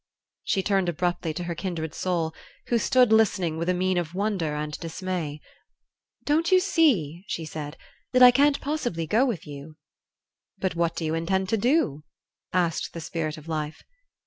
She turned abruptly to her kindred soul, who stood listening with a mien of wonder and dismay. "Don't you see," she said, "that I can't possibly go with you?" "But what do you intend to do?" asked the Spirit of Life.